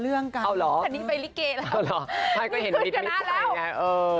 อ๋อหรือใครก็เห็นพิษใหม่